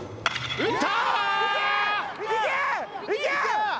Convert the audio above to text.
打った！